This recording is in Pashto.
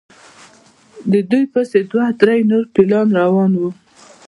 د دوی پسې دوه درې نور فیلان روان وو.